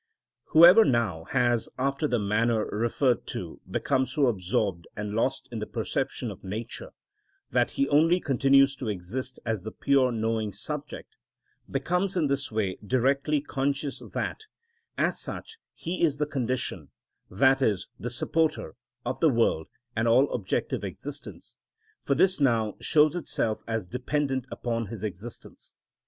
Whoever now, has, after the manner referred to, become so absorbed and lost in the perception of nature that he only continues to exist as the pure knowing subject, becomes in this way directly conscious that, as such, he is the condition, that is, the supporter, of the world and all objective existence; for this now shows itself as dependent upon his existence.